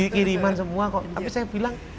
kiriman semua kok tapi saya bilang